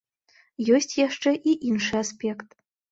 Ёсць яшчэ і іншы аспект.